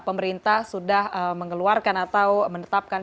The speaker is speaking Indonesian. pemerintah sudah mengeluarkan atau menetapkan